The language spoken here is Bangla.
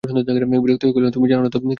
বিরক্ত হইয়া কহিলেন, তুমি জান না তো কে জানিবে।